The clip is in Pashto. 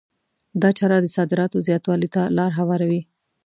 دا چاره د صادراتو زیاتوالي ته لار هواروي.